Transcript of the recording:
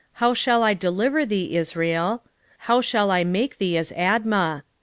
how shall I deliver thee, Israel? how shall I make thee as Admah?